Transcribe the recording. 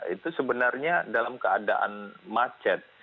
itu sebenarnya dalam keadaan macet